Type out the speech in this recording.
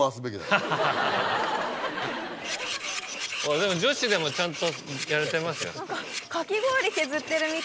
でも女子でもちゃんとやれてますよ。